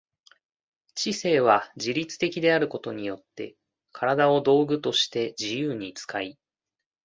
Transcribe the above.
知性は自律的であることによって身体を道具として自由に使い、